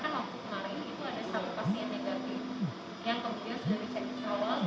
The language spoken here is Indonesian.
yang kemudian sudah dicek di cawal sudah negatif